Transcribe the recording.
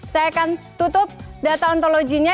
saya akan tutup data ontologinya